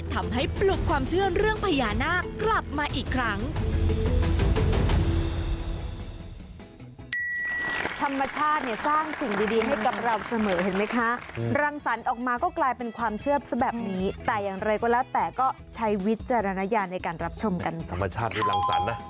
ปลุกความเชื่อเรื่องพญานาคกลับมาอีกครั้ง